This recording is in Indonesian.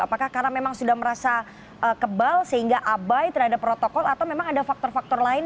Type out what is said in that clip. apakah karena memang sudah merasa kebal sehingga abai terhadap protokol atau memang ada faktor faktor lain